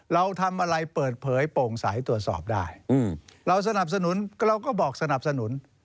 เราทำอะไรเปิดเผยโปร่งใสตรวจสอบได้เราสนับสนุนเราก็บอกสนับสนุน